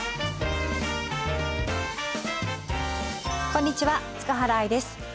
こんにちは塚原愛です。